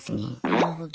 なるほど。